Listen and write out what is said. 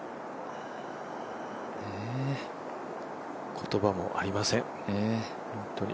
言葉もありません、本当に。